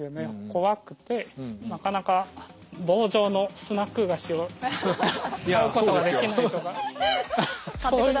怖くてなかなか棒状のスナック菓子を買うことができないとかそういう。